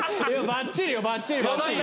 ばっちりばっちり。